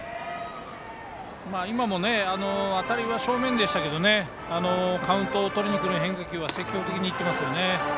今も当たりは正面でしたがカウントをとりにくる変化球は積極的にいっていますよね。